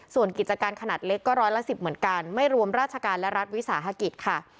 ส่วนกิจการขนาดเล็กก็ร้อยละ๑๐เหมือนกันไม่รวมราชการและรัฐวิสาหกิจค่ะ